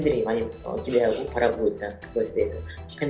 tapi tidak ada yang bisa saya katakan